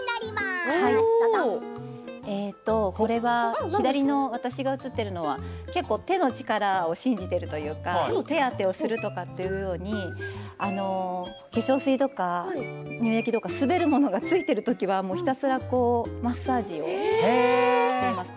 これは左の私が写っているのは結構手の力を信じているというか手当てをするとかいうように化粧水とか乳液とか滑るものがついてるときはひたすらマッサージをしています。